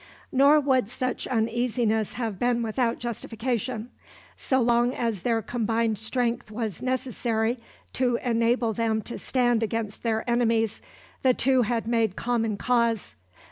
Nor would such uneasiness have been without justification. So long as their combined strength was necessary to enable them to stand against their enemies, the two had made common cause.